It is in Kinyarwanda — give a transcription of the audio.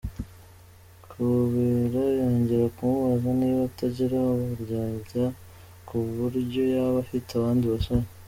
Kabera yongera kumubaza niba atagira uburyarya ku buryo yaba afite abandi basore.